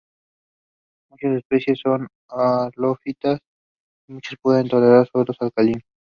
Muchas especies son halófitas y muchas pueden tolerar suelos alcalinos.